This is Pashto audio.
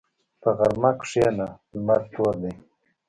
په غرمه کښېنه، لمر تود دی.